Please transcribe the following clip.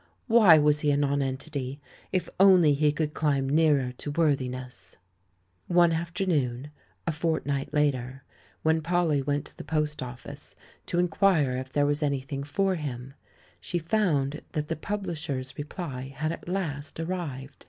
Why was he a nonentity ? If only he could climb nearer to worthiness ! One afternoon, a fortnight later, when Polly went to the post office to inquire if there was any thing for him, she found that the publishers' re ply had at last arrived.